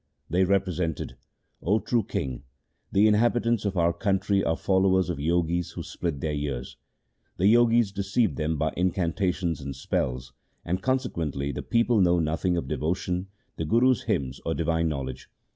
They represented, ' O true king, the inhabitants of our country are followers of Jogis who split their ears. The Jogis deceive them by incanta tions and spells, and consequently the people know nothing of devotion, the Guru's hymns, or divine knowledge.